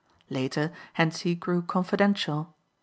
Later Hentzi grew confidential.